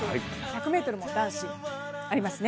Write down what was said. １００ｍも男子あります。